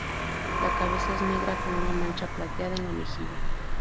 La cabeza es negra, con una mancha plateada en la mejilla.